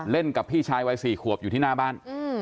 กับพี่ชายวัย๔ขวบอยู่ที่หน้าบ้าน